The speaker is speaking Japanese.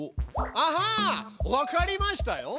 アハわかりましたよ！